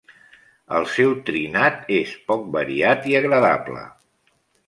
El seu trinat és poc variat i agradable.